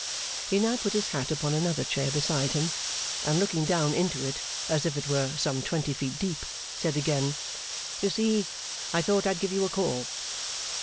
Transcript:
He now put his hat upon another chair beside him, and, looking down into it as if it were some twenty feet deep, said again: 'You see I thought I'd give you a call.